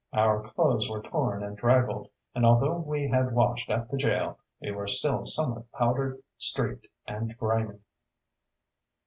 Our clothes were torn and draggled, and although we had washed at the jail we were still somewhat powder streaked and grimy.